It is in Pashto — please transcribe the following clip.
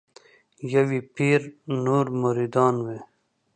یو یې پیر نور مریدان وي